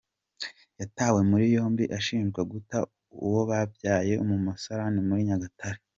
Yatawe muri yombi ashinjwa guta uwo yabyaye mu musarani Muri Nyagatare